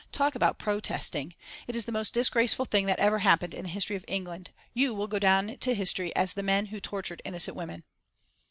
Talk about protesting. It is the most disgraceful thing that ever happened in the history of England. You will go down to history as the men who tortured innocent women."